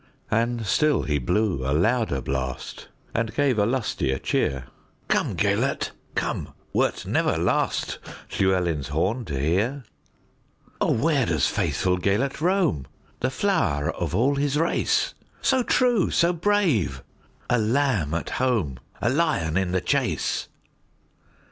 And still he blew a louder blast, And gave a lustier cheer:"Come, Gêlert, come, wert never lastLlewelyn's horn to hear."O, where doth faithful Gêlert roam, The flower of all his race, So true, so brave,—a lamb at home,A lion in the chase?"